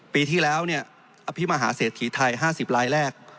ปีที่แล้วอภิมหาเศรษฐีไทย๕๐ลายแรก